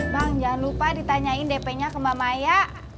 bang jangan lupa ditanyain dpnya ke mbak ma ya